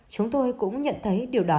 chúng tôi cũng nhận thấy điều đó